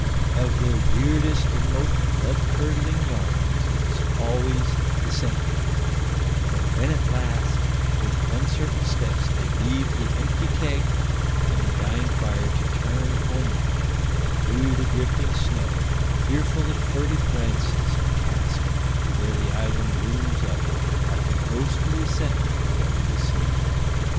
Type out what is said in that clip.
Of their weirdest and most blood curdling yarns it is always the center; and when at last, with uncertain steps, they leave the empty keg and the dying fire to turn homeward through the drifting snow, fearful and furtive glances are cast to where the island looms up like a ghostly sentinel from the sea.